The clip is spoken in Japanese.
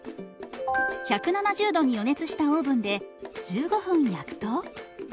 １７０度に予熱したオーブンで１５分焼くと。